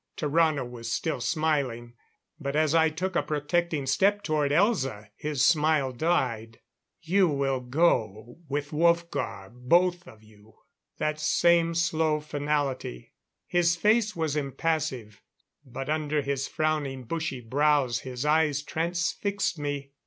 Tarrano was still smiling; but as I took a protecting step toward Elza, his smile died. "You will go with Wolfgar both of you." That same slow finality. His face was impassive; but under his frowning bushy brows, his eyes transfixed me.